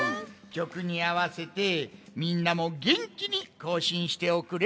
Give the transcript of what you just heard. きょくにあわせてみんなもげんきにこうしんしておくれ！